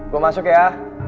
gue masuk ya